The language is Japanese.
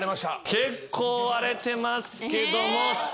結構割れてますけども。